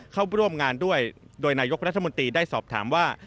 เข้าร่วมงานด้วยโดยนายกรัฐมนตรีได้สอบถามว่า